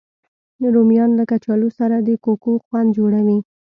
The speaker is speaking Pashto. رومیان له کچالو سره د کوکو خوند جوړوي